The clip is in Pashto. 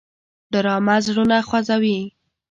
ډرامه زړونه خوځوي